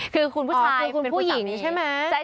คือคุณผู้ชายคุณผู้หญิงใช่ไหม